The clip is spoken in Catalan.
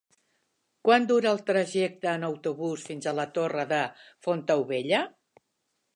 Quant dura el trajecte en autobús fins a la Torre de Fontaubella?